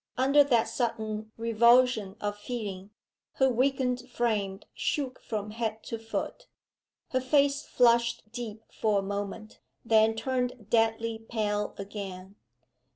Under that sudden revulsion of feeling, her weakened frame shook from head to foot. Her face flushed deep for a moment then turned deadly pale again.